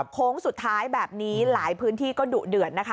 โค้งสุดท้ายแบบนี้หลายพื้นที่ก็ดุเดือดนะคะ